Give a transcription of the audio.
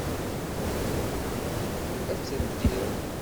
Ad t-ldiɣ.